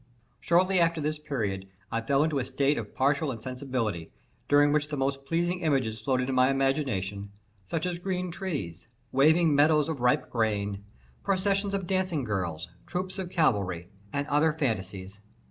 Shortly after this period I fell into a state of partial insensibility, during which the most pleasing images floated in my imagination; such as green trees, waving meadows of ripe grain, processions of dancing girls, troops of cavalry, and other phantasies.